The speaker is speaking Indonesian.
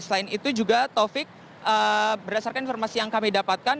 selain itu juga taufik berdasarkan informasi yang kami dapatkan